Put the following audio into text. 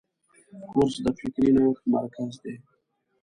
کورس د فکري نوښت مرکز دی.